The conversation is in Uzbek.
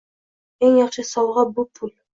Eng yaxshi sovg'a bu - pul.